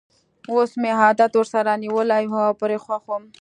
اوس مې عادت ورسره نیولی وو او پرې خوښ وم.